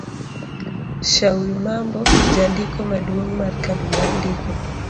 Shauri Mambo Jandiko maduong' mar Kambi mar ndiko